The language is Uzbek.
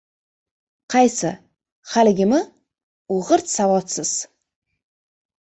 — Qaysi, haligimi, u g‘irt savodsiz!